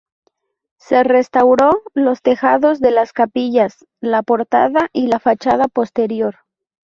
Se restauró los tejados de las capillas, la portada y la fachada posterior.